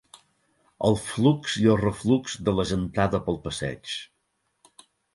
El flux i el reflux de la gentada pel passeig.